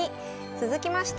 続きまして。